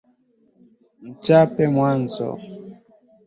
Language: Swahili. Mchape mwanzo.